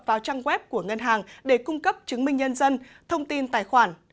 vào trang web của ngân hàng để cung cấp chứng minh nhân dân thông tin tài khoản